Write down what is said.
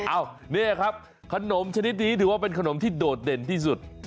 เนี่ยครับขนมชนิดนี้ถือว่าเป็นขนมที่โดดเด่นที่สุด